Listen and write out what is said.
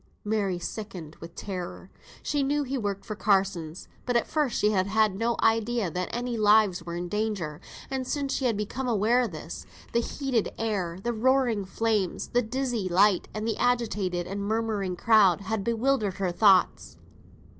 Mary sickened with terror. She knew he worked for Carsons; but at first she had had no idea any lives were in danger; and since she had become aware of this, the heated air, the roaring flames, the dizzy light, and the agitated and murmuring crowd, had bewildered her thoughts.